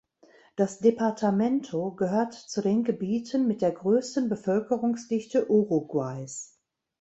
Das Departamento gehört zu den Gebieten mit der größten Bevölkerungsdichte Uruguays.